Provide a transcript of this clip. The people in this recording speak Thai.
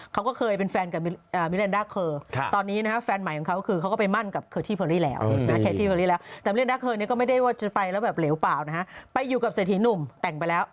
เขาก็เคยเป็นแฟนกับมิเรนดาร์เคอร์